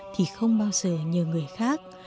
thì không bao giờ nhờ người khác